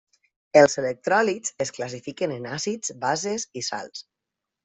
Els electròlits es classifiquen en àcids, bases i sals.